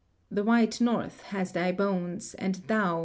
Tlie white north lias tliy bones, and thou.